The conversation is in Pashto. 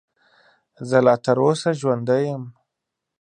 زه لا تر اوسه ژوندی یم .